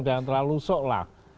jangan terlalu sok lah